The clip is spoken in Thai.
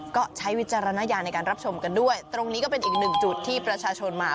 ก็ใช้วิจารณญาณในการรับชมกันด้วยตรงนี้ก็เป็นอีกหนึ่งจุดที่ประชาชนมา